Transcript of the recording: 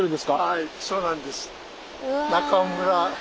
はいそうなんです。